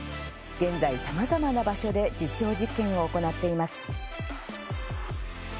現在、さまざまな場所で実証実験を行っています。